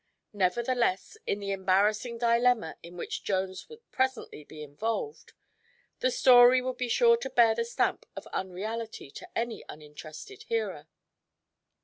Nevertheless, in the embarrassing dilemma in which Jones would presently be involved, the story would be sure to bear the stamp of unreality to any uninterested hearer.